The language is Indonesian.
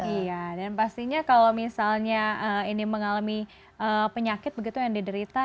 iya dan pastinya kalau misalnya ini mengalami penyakit begitu yang diderita